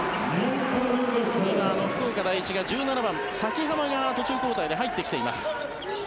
今、福岡第一は１７番の崎濱が途中交代で入ってきています。